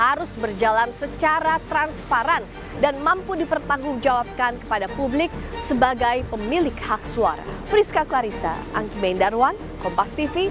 harus berjalan secara transparan dan mampu dipertanggungjawabkan kepada publik sebagai pemilik hak suara